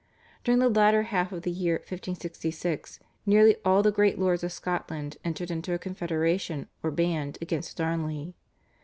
During the latter half of the year 1566 nearly all the great lords of Scotland entered into a confederation or "band" against Darnley.